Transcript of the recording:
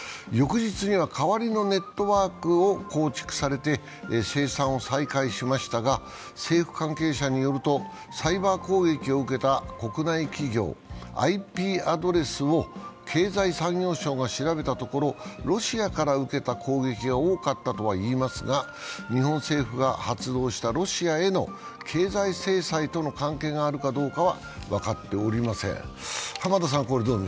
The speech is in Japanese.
翌日には代わりのネットワークを構築されて生産を再開しましたが、政府関係者によると、サイバー攻撃を受けた国内企業、ＩＰアドレスを経済産業省が調べたところ、ロシアから受けた攻撃が多かったとはいいますが、日本政府が発動したロシアへの経済制裁との関係があるかどうかは分かっておりません。